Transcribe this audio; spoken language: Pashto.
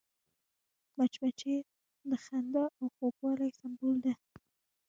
مچمچۍ د خندا او خوږوالي سمبول ده